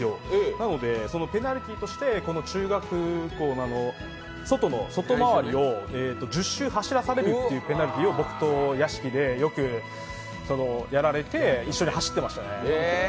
なので、ペナルティーとして中学校の外周りを１０周走らされるというペナルティーを僕と屋敷でよくやられて、一緒に走ってましたね。